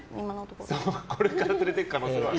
これから連れていく可能性はある。